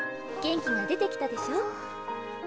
元気が出てきたでしょ。